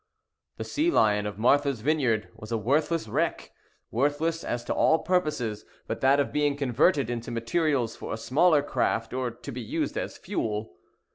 The Sea Lion of Martha's Vineyard was a worthless wreck—worthless as to all purposes but that of being converted into materials for a smaller craft, or to be used as fuel.